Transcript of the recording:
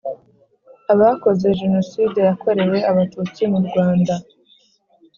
abakoze Jenoside yakorewe abatutsi mu Rwanda